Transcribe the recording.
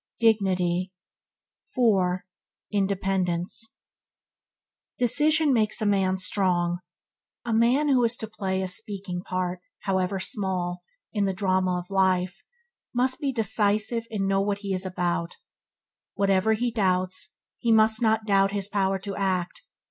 Dignity 4. Independence Decision makes a man strong. The wearer is the weakling. A man who is to play a speaking part, however small, in the drama of life must be decisive and know what he is about. Whatever he doubts, he must not doubt his power to act.